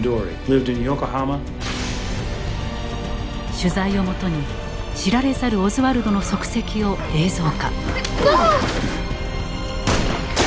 取材を基に知られざるオズワルドの足跡を映像化。